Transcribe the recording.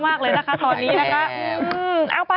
มากเลยนะคะตอนนี้นะคะ